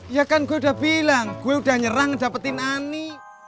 ya kan gue udah bilang gue udah nyerang dapetin ani